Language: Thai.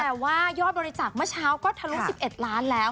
แต่ว่ายอดบริจาคเมื่อเช้าก็ทะลุ๑๑ล้านแล้ว